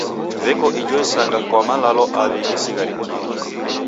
W'eko ijo isanga kwa malalo aw'i ghisigharikie.